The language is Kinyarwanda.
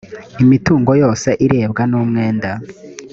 imitungo yose irebwa n umwenda